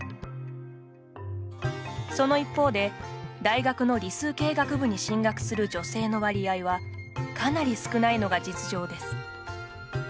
その一方で、大学の理数系学部に進学する女性の割合はかなり少ないのが実情です。